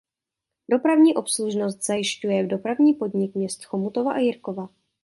Dopravní obslužnost zajišťuje Dopravní podnik měst Chomutova a Jirkova.